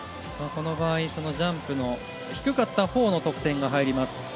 この場合、ジャンプの低かったほうの得点が入ります。